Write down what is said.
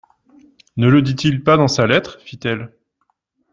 Ne le dit-il pas dans sa lettre ? fit-elle.